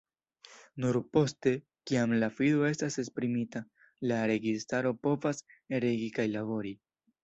Nur poste, kiam la fido estas esprimita, la registaro povas regi kaj labori.